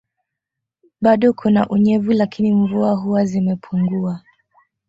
Bado kuna unyevu lakini mvua huwa zimepunguwa